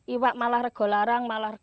iwak malah lebih larang